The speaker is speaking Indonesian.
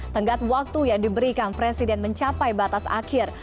tenggat waktu yang diberikan presiden mencapai batas akhir